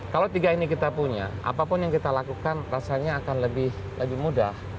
kalau tiga ini kita punya apapun yang kita lakukan rasanya akan lebih mudah